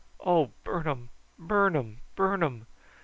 Oh, burn um burn um burn um!"